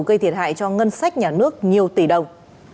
gây thiệt hại cho ngân sách nhà nước nhiều tỷ đồng